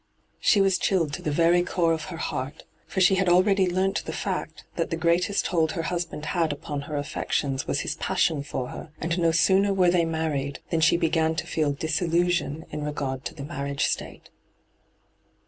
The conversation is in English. She was chilled to the very core of her heart ; for she had already learnt the fact that the greatest hold her husband bad upon her affections was his passion for her ; and no sooner were they married than she began to feel disillusion in regard to the marriage state.